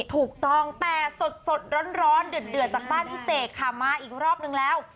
ถูกต้องแต่สดร้อนเดือดจากบ้านพี่เสกค่ะมาอีกรอบนึงแล้ว